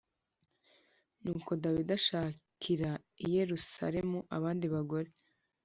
Nuko dawidi ashakira i yerusalemu abandi bagore